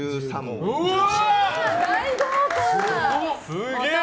すげえ！